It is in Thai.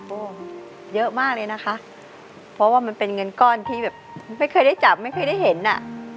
โอ้โหเยอะมากเลยนะคะเพราะว่ามันเป็นเงินก้อนที่แบบไม่เคยได้จับไม่เคยได้เห็นอ่ะ